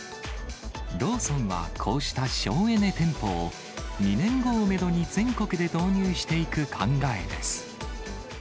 ローソンはこうした省エネ店舗を、２年後をメドに、全国で導入していく考えです。